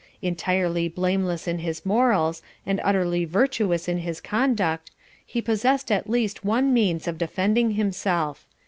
Entirely blameless in his morals, and utterly virtuous in his conduct, he possessed at least one means of defending himself.